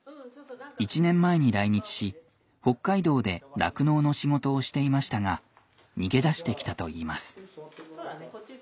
１年前に来日し北海道で酪農の仕事をしていましたが逃げ出してきたといいます。